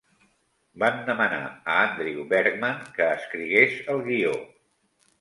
Van demanar a Andrew Bergman que escrigués el guió.